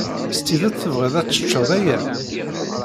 S tidet tebɣiḍ ad teččeḍ aya?